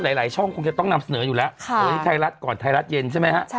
หลายช่องคงจะต้องนำเสนออยู่แล้ววันนี้ไทยรัฐก่อนไทยรัฐเย็นใช่ไหมฮะ